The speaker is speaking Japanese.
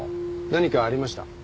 何かありました？